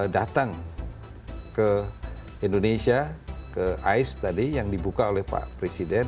datang ke indonesia ke ais tadi yang dibuka oleh pak presiden